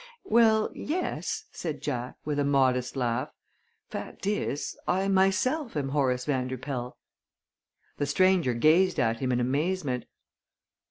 "Well, yes," said Jack, with a modest laugh. "Fact is, I myself am Horace Vanderpoel." The stranger gazed at him in amazement.